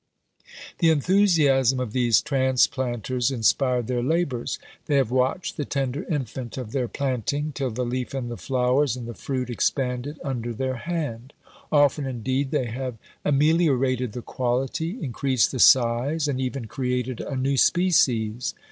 The enthusiasm of these transplanters inspired their labours. They have watched the tender infant of their planting, till the leaf and the flowers and the fruit expanded under their hand; often indeed they have ameliorated the quality, increased the size, and even created a new species.